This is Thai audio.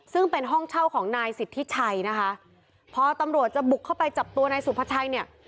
ซึ่งเป็นห้องเช่าของนายสิทธิชัยนะคะพอตำรวจจะบุกเข้าไปจับตัวนายสุภาชัยเนี่ย